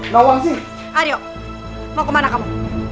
nolong sih ario mau kemana kamu